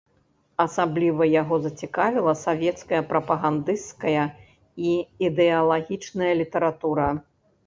Асабліва яго зацікавіла савецкая прапагандысцкая і ідэалагічная літаратура.